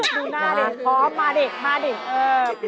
นู่น่าเลยมาสิพร้อมมานี่มานี่